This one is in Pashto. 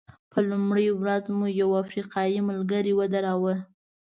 په لومړۍ ورځ مو یو افریقایي ملګری ودراوه.